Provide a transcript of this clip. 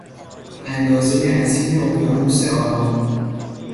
اندازهی عظیم اقیانوس آرام